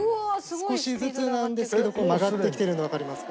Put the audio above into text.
少しずつなんですけど曲がってきてるのわかりますか？